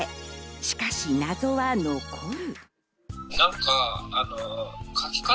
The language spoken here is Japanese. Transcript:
しかし謎は残る。